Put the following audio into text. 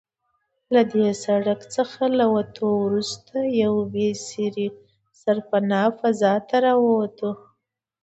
له دې سړک څخه له وتو وروسته یوې بې سرپنا فضا ته راووتو.